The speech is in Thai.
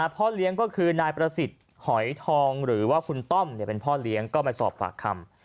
พ่อเลี้ยงก็คือนายประสิทธิ์หอยทองหรือว่าคุณต้อมเป็นพ่อเลี้ยงก็มาสอบปากคำ